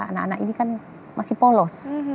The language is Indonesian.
anak anak ini kan masih polos